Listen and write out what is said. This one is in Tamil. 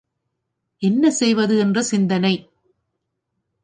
என்ன செய்வது என்ற சிந்தனை.